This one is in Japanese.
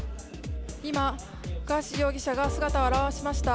今、ガーシー容疑者が姿を現しました。